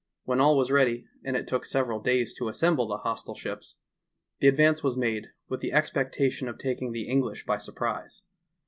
When all was ready, and it took several days to assemble the hostile ships, the advance was made with the expectation of taking the English by surprise.